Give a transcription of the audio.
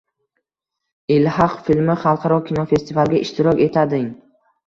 “Ilhaq” filmi xalqaro kinofestivalga ishtirok etading